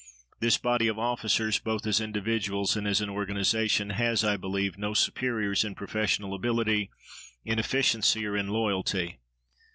This body of officers, both as individuals and as an organization, has, I believe, no superiors in professional ability, in efficiency, or in loyalty.